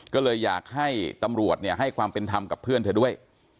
ก็เลยอยากให้ตำรวจให้ความเป็นธรรมกับเพื่อนเธอด้วย